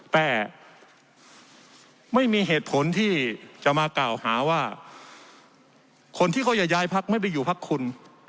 แต่ไม่มีเหตุผลที่จะมากล่าวหาว่าคนที่เขาจะย้ายพักไม่ไปอยู่พักคุณ